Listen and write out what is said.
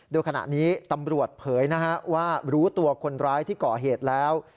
โดยขณะนี้ตำรวจเผยว่ารู้ตัวคนร้ายที่ก่อเหตุแล้ว